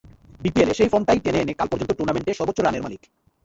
বিপিএলে সেই ফর্মটাই টেনে এনে কাল পর্যন্ত টুর্নামেন্টে সর্বোচ্চ রানের মালিক।